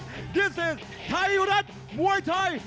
นี่คือไทยรัดมวยไทย